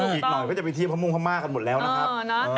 อีกหน่อยก็จะไปเที่ยวมะม่วงพม่ากันหมดแล้วนะครับ